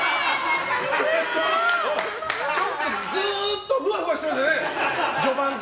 ちょっとずっとふわふわしてましたよね。